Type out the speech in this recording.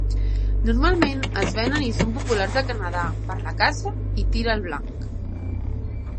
Normalment es venen i són populars a Canadà per la caça i tir al blanc.